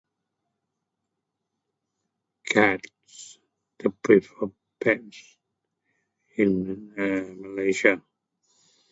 cats [unintelligible] pets in Malaysia